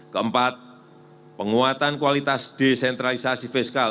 keempat penguatan kualitas desentralisasi fiskal